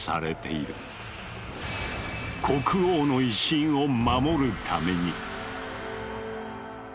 国王の威信を守るために。